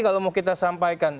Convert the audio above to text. kalau mau kita sampaikan